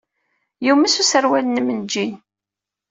Yumes userwal-nnem n ujean.